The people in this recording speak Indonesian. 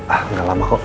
ah gak lama kok